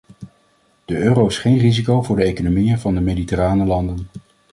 De euro is geen risico voor de economieën van de mediterrane landen.